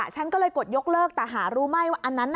ฉันก็เลยกดยกเลิกแต่หารู้ไม่ว่าอันนั้น